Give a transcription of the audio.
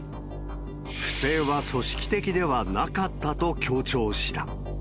不正は組織的ではなかったと強調した。